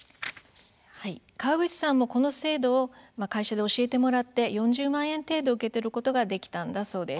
川口さんも、この制度を会社で教えてもらって４０万円程度受け取ることができたんだそうです。